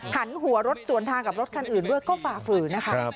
หันหัวรถสวนทางกับรถคันอื่นด้วยก็ฝ่าฝืนนะคะ